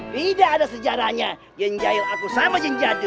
tidak ada sejarahnya genjail aku sama jeng jadul